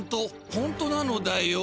ホントなのだよ。